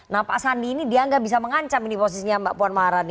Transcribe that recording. nah pak sandi ini dianggap bisa mengancam ini posisinya mbak puan maharani